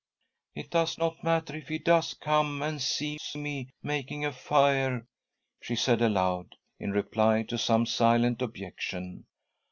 " It does not matter if he does come and sees me making a fire," she said aloud, in reply to some silent objection.